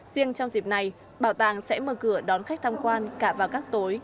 riêng trong dịp này bảo tàng sẽ mở cửa đón khách tham quan cả vào các tối